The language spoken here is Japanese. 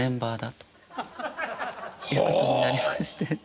ということになりまして。